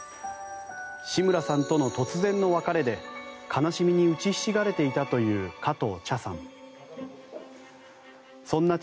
志村さんとの突然の別れで悲しみに打ちひしがれていたという加藤茶さん。